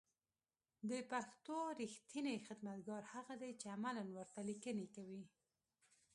د پښتو رېښتينی خدمتگار هغه دی چې عملاً ورته ليکنې کوي